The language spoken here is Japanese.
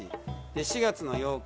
４月の８日。